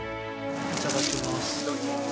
いただきます。